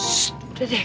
ssst udah deh